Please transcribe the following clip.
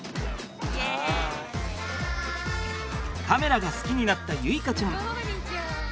カメラが好きになった結花ちゃん。